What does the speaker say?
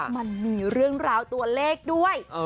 มันมีเรื่องราวตัวเลขด้วย